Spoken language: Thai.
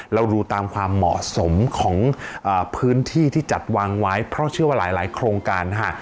เราดูตามความเหมาะสมของพื้นที่ที่จัดวางไว้เพราะเชื่อว่าหลายโครงการค่ะ